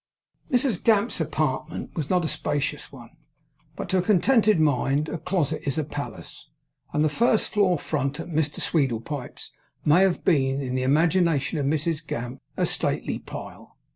Mrs Gamp's apartment was not a spacious one, but, to a contented mind, a closet is a palace; and the first floor front at Mr Sweedlepipe's may have been, in the imagination of Mrs Gamp, a stately pile.